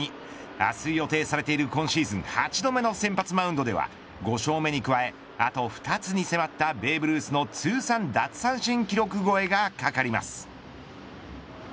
明日予定されている今シーズン８度目の先発マウンドでは５勝目に加え、あと２つに迫ったベーブ・ルースの通算奪三振記録超えが懸かります。